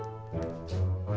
ya tapi aku mau makan